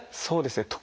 そうですね。